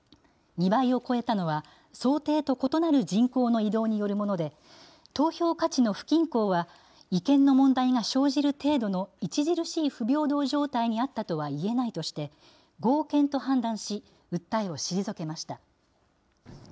２倍を超えたのは、想定と異なる人口の移動によるもので、投票価値の不均衡は違憲の問題が生じる程度の著しい不平等状態にあったとはいえないとして、合憲と判断し、訴えを退けました。